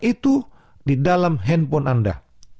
itu di dalam handphone anda